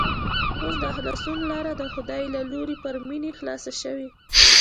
اوس د خلاصون لاره د خدای له لوري پر مينې خلاصه شوې